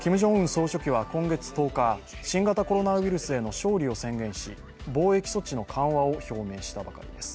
総書記は今月１０日新型コロナウイルスへの勝利を宣言し、防疫措置の緩和を表明したばかりです。